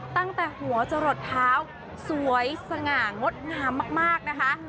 ตั้งแต่หัวจะหลดเท้าสวยสง่างดงามมากนะคะ